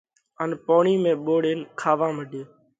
ان پوڻِي ۾ ٻوڙينَ کاوا مڏيو۔